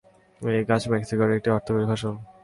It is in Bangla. এ গাছ মেক্সিকোর একটি অর্থকরী ফসল।